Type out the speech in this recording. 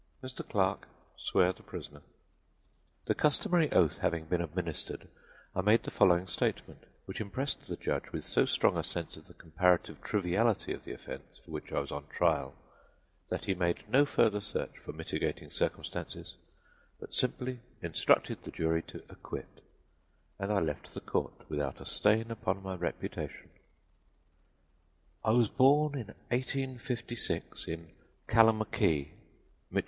Mr. Clerk, swear the prisoner." The customary oath having been administered, I made the following statement, which impressed the judge with so strong a sense of the comparative triviality of the offense for which I was on trial that he made no further search for mitigating circumstances, but simply instructed the jury to acquit, and I left the court, without a stain upon my reputation: "I was born in 1856 in Kalamakee, Mich.